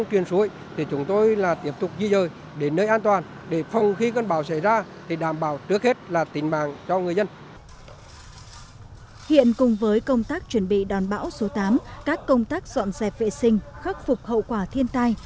các công tác dọn dẹp vệ sinh khắc phục hậu quả thiên tai